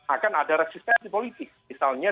akan ada resistensi politik misalnya